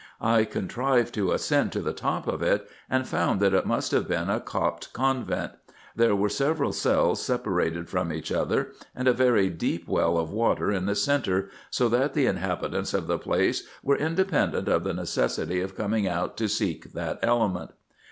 I contrived to ascend to the top of it, and found that it must have been a Copt convent. There were several cells separated from each other, and a very deep well of water in the centre, so that the inhabitants of the place were independent of the necessity of coming out to seek that element.